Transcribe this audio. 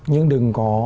nhưng đừng có